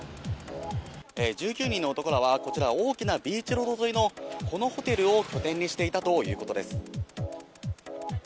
１９人の男らはこちら、大きなビーチロード沿いのこのホテルを拠点にしていたということです。